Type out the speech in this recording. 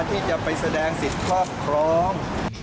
ที่จะไปแสดงสิทธิ์ครอบครอง